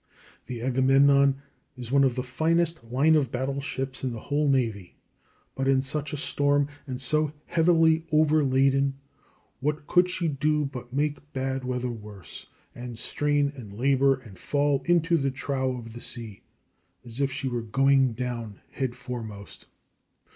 The Agamemnon is one of the finest line of battle ships in the whole navy, but in such a storm, and so heavily overladen, what could she do but make bad weather worse, and strain and labor and fall into the trough of the sea, as if she were going down head foremost.